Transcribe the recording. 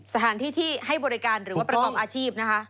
สถานที่ที่ให้บริการหรือว่าประกอบอาชีพนะคะ